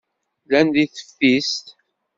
Llant deg teftist.